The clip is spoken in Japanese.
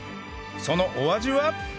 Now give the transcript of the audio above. そのお味は？